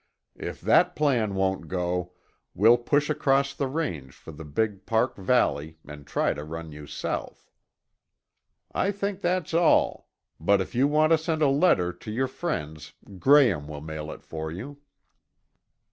If that plan won't go, we'll push across the range for the big park valley and try to run you south. I think that's all; but if you want to send a letter to your friends, Graham will mail it for you."